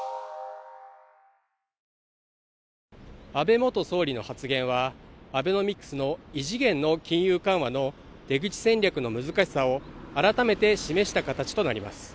安倍元総理の発言はアベノミクスの異次元の金融緩和の出口戦略の難しさを改めて示した形となります。